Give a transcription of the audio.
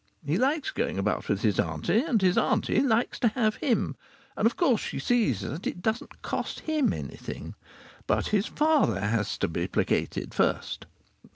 He likes going about with his auntie, and his auntie likes to have him. And of course she sees that it doesn't cost him anything. But his father has to be placated first.